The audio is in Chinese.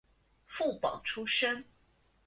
副榜出身。